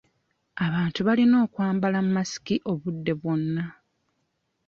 Abantu balina okwambala masiki obudde bwonna.